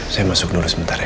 saya masuk dulu sebentar ya